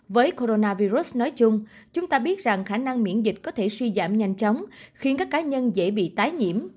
với coronavirus nói chung chúng ta biết rằng khả năng miễn dịch có thể suy giảm nhanh chóng khiến các cá nhân dễ bị tái nhiễm